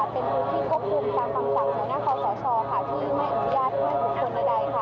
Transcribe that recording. ได้ฝากหลังนั่งสวบมนต์กลางส่วนสลและสะพานด้านข้างป๕ค่ะ